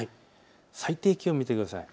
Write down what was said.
最低気温を見てください。